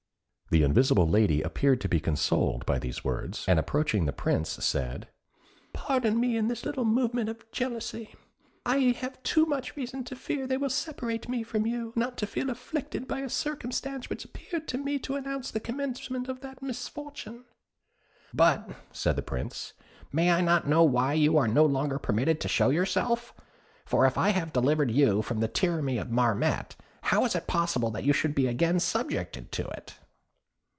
The invisible lady appeared to be consoled by these words, and approaching the Prince, said, "Pardon me this little movement of jealousy. I have too much reason to fear they will separate me from you, not to feel afflicted by a circumstance which appeared to me to announce the commencement of that misfortune." "But," said the Prince, "may I not know why you are no longer permitted to show yourself? For if I have delivered you from the tyranny of Marmotte, how is it possible that you should be again subjected to it?"